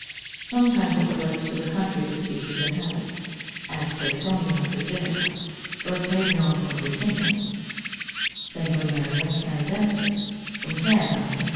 Sometimes it relates to the country the species inhabits; as, Claytonia Virginica, first made known from Virginia; Sanguinaria Canadensis, from Canada, etc.